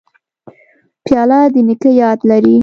پیاله د نیکه یاد لري.